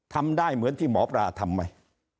ทำได้เหมือนที่หมอปลาทำไหม